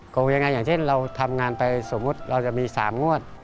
ยังไงอย่างเช่นเราทำงานไปสมมุติเราจะมี๓งวด